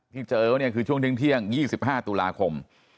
เจอว่าเนี่ยคือช่วงเที่ยง๒๕ตุลาคม